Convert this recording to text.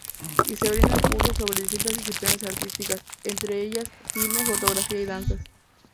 Y se brindan cursos sobre distintas disciplinas artísticas; entre ellas, cine, fotografía y danzas.